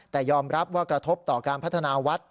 แต่ยอมรับว่ากระทบต่อการพัฒนาวัด